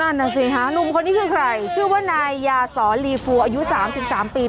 นั่นอ่ะสิฮะลุงคนนี้คือใครชื่อว่านายยาศรลีฟูอายุสามถึงสามปี